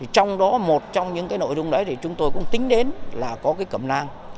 trong đó một trong những nội dung đấy thì chúng tôi cũng tính đến là có cái cầm nang